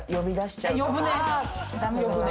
呼ぶね。